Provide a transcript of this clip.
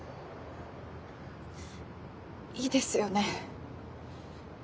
いいですよね